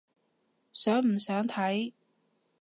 想唔想睇？